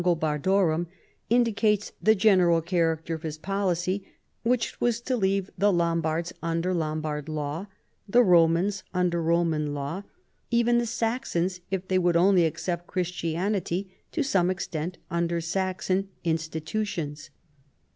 317 gobardorum," indicates the general character of his policy, which was to leave the Lombards under Lom bard Jaw, the Romans under Roman law ; even the Saxons, if they would only accept Christianity, to some extent under Saxon institutions.